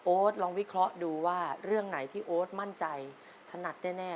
ลองวิเคราะห์ดูว่าเรื่องไหนที่โอ๊ตมั่นใจถนัดแน่